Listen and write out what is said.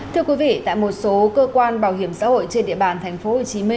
thưa quý vị tại một số cơ quan bảo hiểm xã hội trên địa bàn tp hcm